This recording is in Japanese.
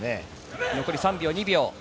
残り３秒、２秒。